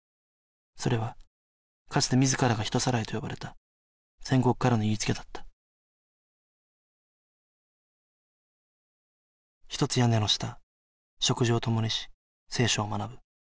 それはかつて自らが「人さらい」と呼ばれた千石からの言いつけだった一つ屋根の下食事をともにし聖書を学ぶ